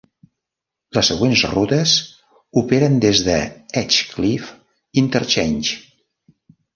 Les següents rutes operen des de Edgecliff Interchange.